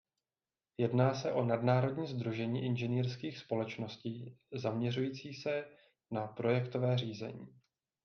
Jedná se o nadnárodní sdružení inženýrských společnosti zaměřující se na projektové řízení.